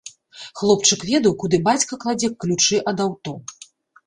Хлопчык ведаў, куды бацька кладзе ключы ад аўто.